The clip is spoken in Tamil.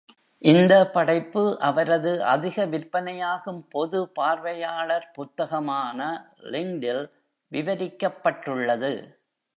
இந்த படைப்பு அவரது அதிக விற்பனையாகும் பொது பார்வையாளர் புத்தகமான Linked - ல் விவரிக்கப்பட்டுள்ளது.